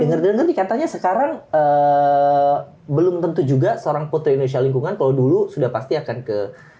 dengar dan nanti katanya sekarang belum tentu juga seorang putri indonesia lingkungan kalau dulu sudah pasti akan ke